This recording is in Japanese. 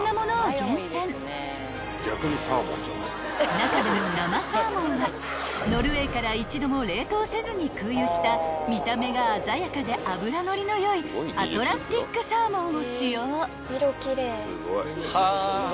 ［中でも生サーモンはノルウェーから一度も冷凍せずに空輸した見た目が鮮やかで脂乗りの良いアトランティックサーモンを使用］